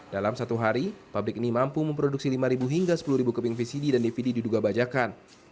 dalam satu hari pabrik ini mampu memproduksi lima hingga sepuluh keping vcd dan dvd diduga bajakan